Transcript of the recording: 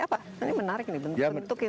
apa ini menarik nih bentuk yang